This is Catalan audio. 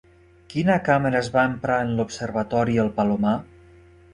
Quina càmera es va emprar en l'Observatori el Palomar?